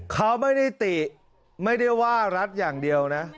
เขาไม่ได้ติไม่ได้ว่ารัฐอย่างเดียวนะ